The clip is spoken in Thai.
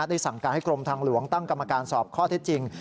สั่งการให้กรมทางหลวงตั้งกรรมการสอบข้อเท็จจริง